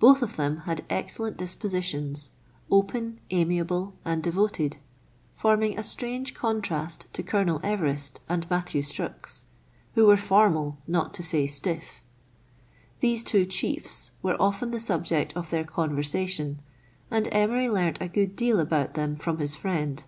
Both of them had excellent dispositions, open, amiable, and devoted, forming a strange contrast to Colonel Everest and Matthew Strux, who were formal, not to say stiff. These two chiefs were often the subject of their conversation, and Emery learnt a good deal about them from his friend.